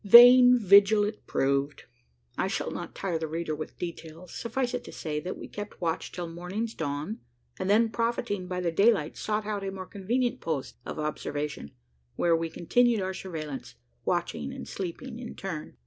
Vain vigil it proved. I shall not tire the reader with details. Suffice it to say, that we kept watch till morning's dawn; and then, profiting by the daylight, sought out a more convenient post of observation, where we continued our surveillance watching and sleeping in turn.